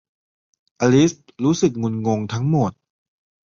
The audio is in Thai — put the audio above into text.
อลิซรู้สึกงุนงงทั้งหมด